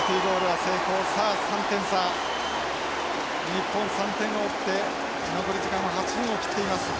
日本３点を追って残り時間は８分を切っています。